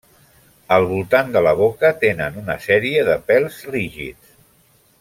Al voltant de la boca tenen una sèrie de pèls rígids.